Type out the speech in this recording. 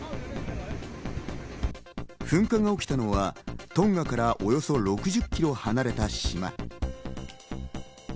噴火が起きたのは、トンガからおよそ６０キロ離れた島。